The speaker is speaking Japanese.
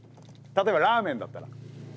例えばラーメンだったら。